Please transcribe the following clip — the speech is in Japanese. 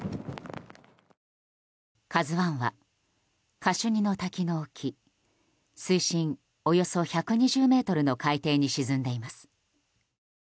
「ＫＡＺＵ１」はカシュニの滝の沖水深およそ１２０ｍの海底に沈んでいます。